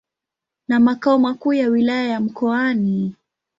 na makao makuu ya Wilaya ya Mkoani.